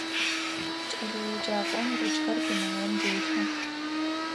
КӀэлэеджакӀом ручкэр пеналым делъхьэ.